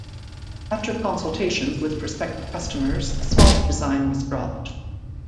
After consultations with prospective customers, the smaller design was dropped.